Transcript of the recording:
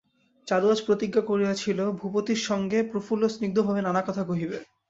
চারু আজ প্রতিজ্ঞা করিয়াছিল, ভূপতির সঙ্গে প্রফুল্ল স্নিগ্ধভাবে নানা কথা কহিবে।